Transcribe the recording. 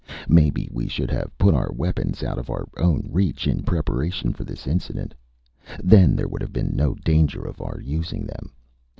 Maybe we should have put our weapons out of our own reach, in preparation for this incident. Then there would have been no danger of our using them.